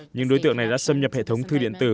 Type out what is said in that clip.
những đối tượng này đã xâm nhập hệ thống thư điện tử